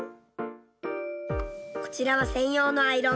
こちらは専用のアイロン。